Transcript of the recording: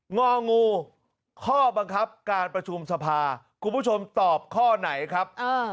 งองูข้อบังคับการประชุมสภาคุณผู้ชมตอบข้อไหนครับ